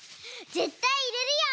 ぜったいいれるよ！